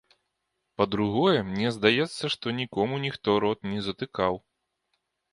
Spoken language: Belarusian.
Па-другое, мне здаецца, што нікому ніхто рот не затыкаў.